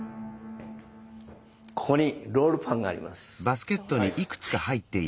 ここにロールパンがあります。